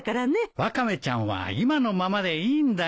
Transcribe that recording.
ワカメちゃんは今のままでいいんだよ。